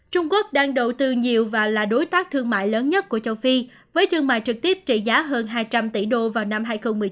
trung quốc đang đầu tư nhiều và là đối tác thương mại lớn nhất của châu phi với thương mại trực tiếp trị giá hơn hai trăm linh tỷ usd vào năm hai nghìn một mươi tám